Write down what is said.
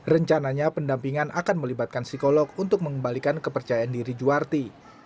rencananya pendampingan akan melibatkan psikolog untuk mengembalikan kepercayaan diri juwarti